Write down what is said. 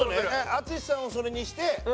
淳さんをそれにして。